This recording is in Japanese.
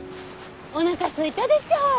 おなかすいたでしょ。